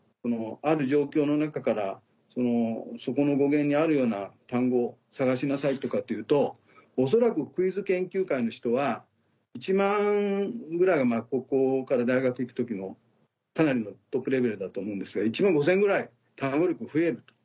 ある状況の中からそこの語源にあるような単語を探しなさいとかっていうと恐らくクイズ研究会の人は１万ぐらいは高校から大学行く時のかなりのトップレベルだとは思うんですが１万５０００ぐらい単語力が増えると。